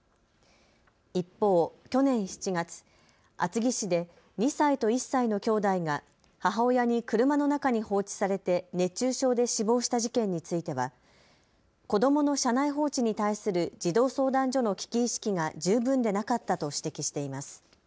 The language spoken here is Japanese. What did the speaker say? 一方、去年７月、厚木市で２歳と１歳のきょうだいが母親に車の中に放置されて熱中症で死亡した事件については子どもの車内放置に対する児童相談所の危機意識が十分でなかったと指摘しています。